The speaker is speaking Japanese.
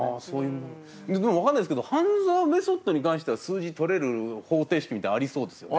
でも分かんないですけど「半沢」メソッドに関しては数字取れる方程式みたいなのありそうですよね。